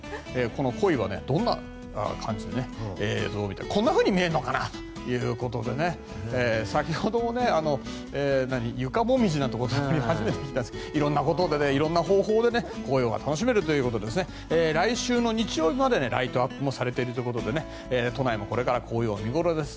このコイはどんな感じでこんなふうに見えるのかなということで先ほども、床もみじなんて言葉初めて聞いたんですけど色んなことで色んな方法で紅葉が楽しめるということで来週の日曜日までライトアップもされているということで都内もこれから紅葉が見頃です。